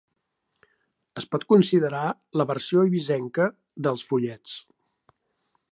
Es pot considerar la versió eivissenca dels follets.